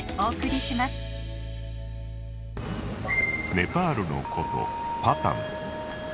ネパールの古都パタン。